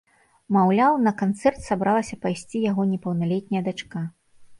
Маўляў, на канцэрт сабралася пайсці яго непаўналетняя дачка.